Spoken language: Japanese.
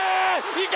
行け！